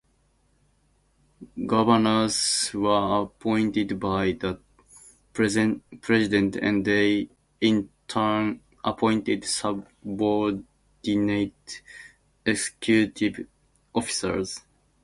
Governors were appointed by the president, and they, in turn, appointed subordinate executive officers.